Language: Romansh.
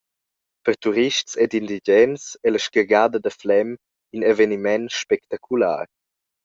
Per turists ed indigens ei la scargada da Flem in eveniment spectacular.